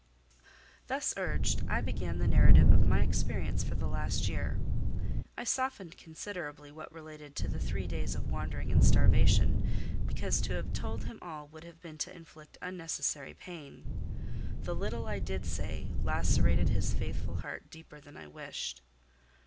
Thus urged, I began the narrative of my experience for the last year. I softened considerably what related to the three days of wandering and starvation, because to have told him all would have been to inflict unnecessary pain: the little I did say lacerated his faithful heart deeper than I wished.